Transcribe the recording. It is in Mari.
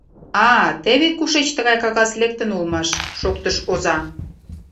— А-а, теве кушеч тыгай кагаз лектын улмаш, — шоктыш оза.